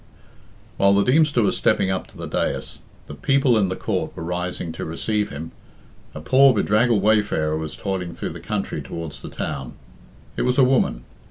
While the Deemster was stepping up to the dais, and the people in the court were rising to receive him, a poor bedraggled wayfarer was toiling through the country towards the town. It was a woman.